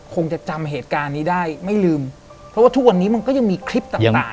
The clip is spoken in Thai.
คงจะจำเหตุการณ์นี้ได้ไม่ลืมเพราะว่าทุกวันนี้มันก็ยังมีคลิปต่างต่าง